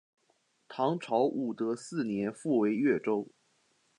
唐朝武德四年复为越州。